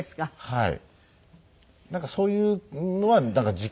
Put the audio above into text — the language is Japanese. はい。